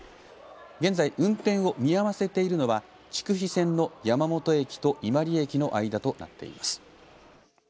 現在運転を見合わせているのは筑肥線の山本駅と伊万里駅の間となっています。